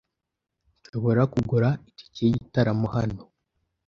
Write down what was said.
Nshobora kugura itike yigitaramo hano?